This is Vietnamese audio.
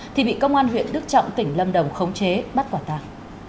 thì bị công an huyện đức trọng tỉnh lâm đồng khống chế bắt quả tàng